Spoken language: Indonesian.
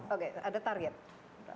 tapi ada target